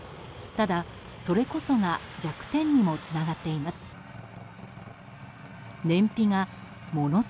ただ、それこそが弱点にもつながっています。